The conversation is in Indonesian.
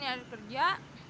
saya pengen nyari kerja